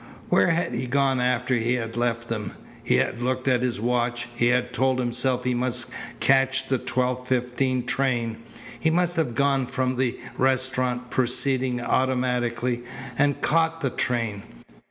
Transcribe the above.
Where had he gone after he had left them? He had looked at his watch. He had told himself he must catch the twelve fifteen train. He must have gone from the restaurant, proceeding automatically, and caught the train.